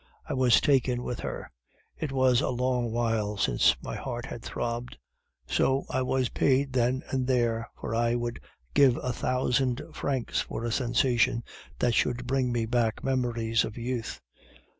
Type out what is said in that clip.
I was taken with her. It was a long while since my heart had throbbed; so I was paid then and there for I would give a thousand francs for a sensation that should bring me back memories of youth.